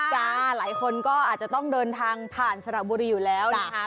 จ้าหลายคนก็อาจจะต้องเดินทางผ่านสระบุรีอยู่แล้วนะคะ